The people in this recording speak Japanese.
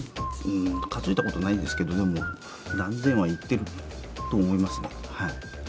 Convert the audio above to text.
数えたことないんですけどでも何千はいってると思いますね。